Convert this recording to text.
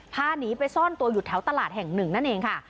พาหนีไปซ่อนตัวอยู่แถวตลาดแห่งหนึ่งนั่นเองค่ะ